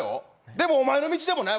でもお前の道でもない。